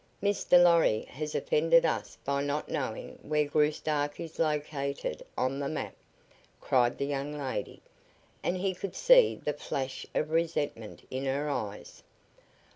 "Mr. Lorry has offended us by not knowing where Graustark is located on the map," cried the young lady, and he could see the flash of resentment in her eyes.